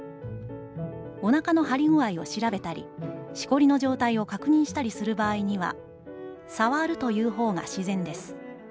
お腹の張り具合を調べたり、しこりの状態を確認したりする場合には、『さわる』という方が自然です。